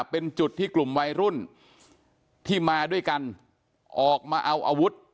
เป็นจุดที่กลุ่มวัยรุ่นที่มาด้วยกันออกมาเอาอาวุธ